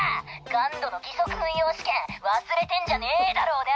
ＧＵＮＤの義足運用試験忘れてんじゃねぇだろうな！